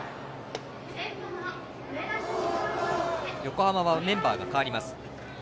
横浜はメンバーが変わります。